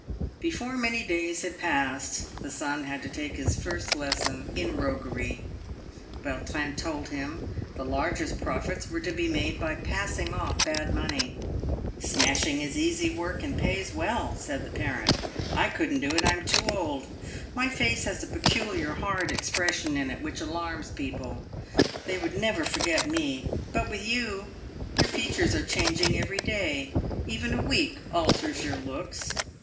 Before many days had passed, the son had to take his first lesson in roguery. Vautrin told him the largest profits were to be made by passing off bad money. " Smashing is easy work, and pays well," said the parent. " I couldn't do it, I am too old. My face has a peculiar hard expression in it, which alarms people. They would never forget me. But with you, your features are changing every day ; even a week alters your looks.